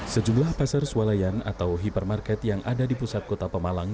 sejumlah pasar sualayan atau hipermarket yang ada di pusat kota pemalang